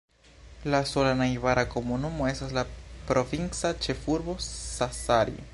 La sola najbara komunumo estas la provinca ĉefurbo Sassari.